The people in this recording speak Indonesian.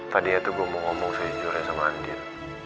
tadi itu gue mau ngomong sejujurnya sama andin